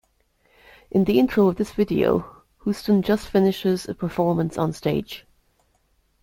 In the intro of this video, Houston just finishes a performance onstage.